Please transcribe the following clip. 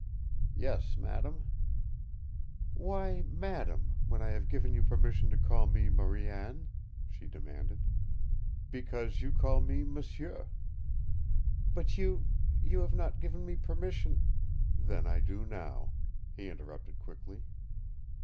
"Yes, madame!" "Why 'madame,' when I have given you permission to call me 'Marie Anne'?" she demanded. "Because you call me 'm'sieu'." "But you you have not given me permission " "Then I do now," he interrupted quickly.